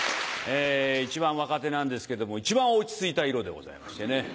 一番若手なんですけども一番落ち着いた色でございましてね。